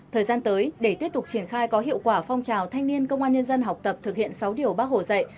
thời gian tới để tiếp tục triển khai có hiệu quả phong trào thanh niên công an nhân dân học tập thực hiện sáu điều bác hồ dạy